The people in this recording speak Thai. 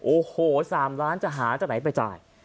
โอ้โห๓ล้านจะหาจากไหนไปจ่าย